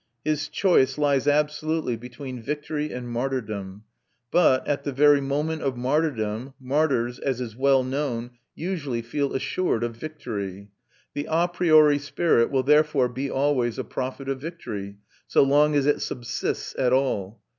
His choice lies absolutely between victory and martyrdom. But at the very moment of martyrdom, martyrs, as is well known, usually feel assured of victory. The a priori spirit will therefore be always a prophet of victory, so long as it subsists at all.